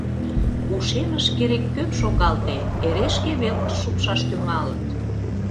Ушемыш керек-кӧм шогалте, эре шке велкышт шупшаш тӱҥалыт.